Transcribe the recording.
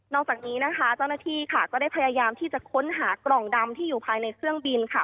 จากนี้นะคะเจ้าหน้าที่ค่ะก็ได้พยายามที่จะค้นหากล่องดำที่อยู่ภายในเครื่องบินค่ะ